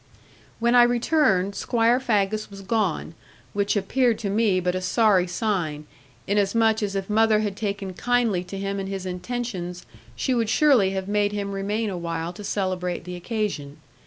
When I returned, Squire Faggus was gone; which appeared to me but a sorry sign, inasmuch as if mother had taken kindly to him and his intentions, she would surely have made him remain awhile to celebrate the occasion.